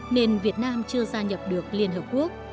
nên việt nam chưa gia nhập được liên hợp quốc